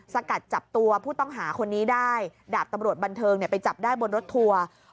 สกัดจับตัวผู้ต้องหาคนนี้ได้ดาบตำรวจบันเทิงไปจับได้บนรถทัวร์